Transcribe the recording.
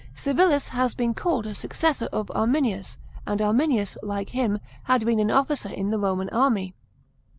Oivilis has been called a suc cessor of Anninius, and Arminius, like him, had been an officer in the Roman army.